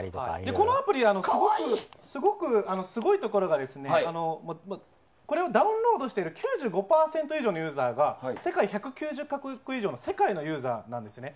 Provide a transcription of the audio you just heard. このアプリ、すごいところがこれをダウンロードしている９５％以上のユーザーが世界１９０か国以上の世界のユーザーなんですよね。